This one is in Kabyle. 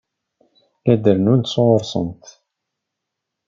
La d-rennunt sɣur-sent.